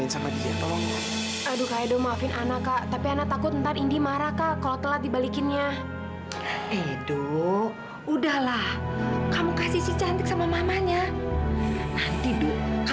sampai jumpa di video selanjutnya